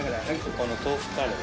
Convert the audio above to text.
この豆腐カレー。